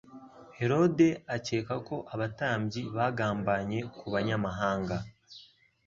Herode akeka ko abatambyi bagambanye ku banyamahanga